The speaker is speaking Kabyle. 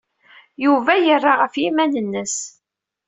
Yuba yerra ɣef yiman-nnes.